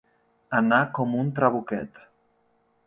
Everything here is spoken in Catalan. Anar com un trabuquet.